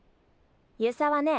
遊佐はね